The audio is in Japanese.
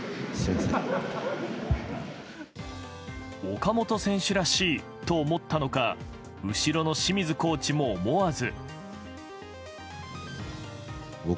岡本選手らしいと思ったのか後ろの清水コーチも思わず。